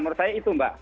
menurut saya itu mbak